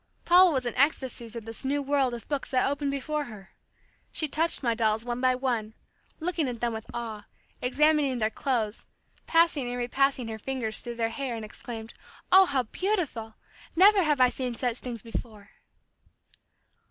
Paula was in ecstasies in this new world of books that opened before her. She touched my dolls one by one, looking at them with awe, examining their clothes, passing and repassing her fingers through their hair and exclaimed, "Oh, how beautiful! Never have I seen such things before!"